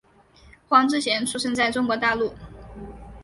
黄志贤出生在中国大陆。